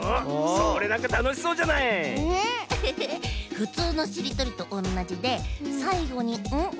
ふつうのしりとりとおんなじでさいごに「ん」がついてもまけ。